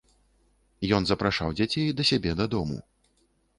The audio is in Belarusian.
Ён запрашаў дзяцей да сябе дадому.